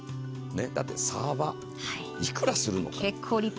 だって、サーバーいくらするの？